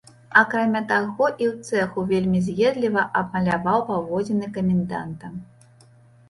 Акрамя таго, і ў цэху вельмі з'едліва абмаляваў паводзіны каменданта.